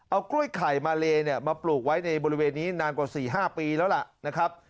เอากล้วยไข่มาเลเนี่ยมาปลูกไว้ในบริเวณนี้นานกว่า๔๕ปีแล้วล่ะนะครับ